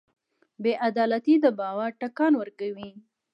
بېعدالتي د باور ټکان ورکوي.